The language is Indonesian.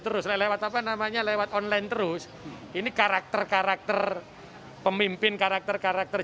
terus lewat apa namanya lewat online terus ini karakter karakter pemimpin karakter karakter